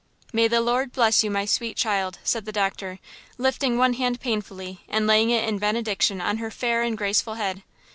"May the Lord bless you, my sweet child," said the doctor, lifting one hand painfully and laying it in benediction on her fair and graceful head.